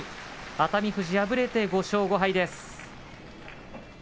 熱海富士は敗れて５勝５敗です。